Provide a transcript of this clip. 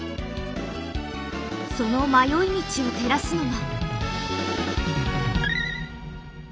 その迷い道を照らすのが。